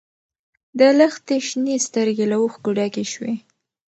د لښتې شنې سترګې له اوښکو ډکې شوې.